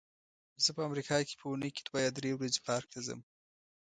زه په امریکا کې په اوونۍ کې دوه یا درې ورځې پارک ته ځم.